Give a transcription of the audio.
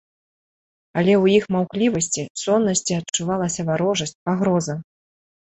Але ў іх маўклівасці, соннасці адчувалася варожасць, пагроза.